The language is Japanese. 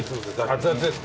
熱々です